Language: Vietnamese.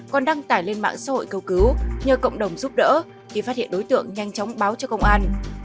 còn đăng tải lên mạng xã hội cầu cứu nhờ cộng đồng giúp đỡ khi phát hiện đối tượng nhanh chóng báo cho công an